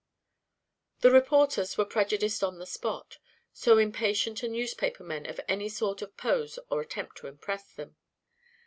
The reporters were prejudiced on the spot, so impatient are newspaper men of any sort of pose or attempt to impress them.